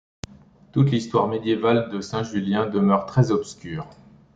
Toute l'histoire médiévale de Saint Julien demeure très obscure.